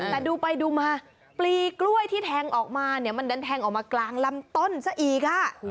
แต่ดูไปดูมาปลีกล้วยที่แทงออกมาเนี่ยมันดันแทงออกมากลางลำต้นซะอีกค่ะ